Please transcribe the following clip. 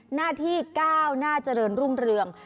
หน้าที่ก้าวหน้าเจริญรุ่งเรือง